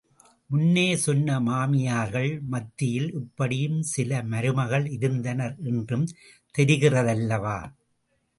முன்னே சொன்ன மாமியார்கள் மத்தியில் இப்படியும் சில மருமகள் இருந்தனர் என்றும் தெரிகிறதல்லவா?